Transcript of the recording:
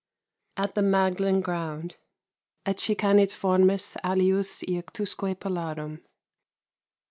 At the Magdalen Ground. Ecce canit formas alius jactusque pilarum.